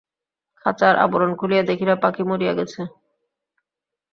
খাঁচার আবরণ খুলিয়া দেখিল, পাখি মরিয়া গেছে।